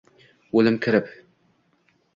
Oʻlim kirib